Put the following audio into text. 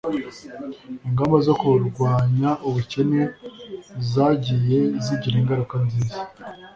ingamba zo kurwanya ubukene zagiye zigira ingaruka nziza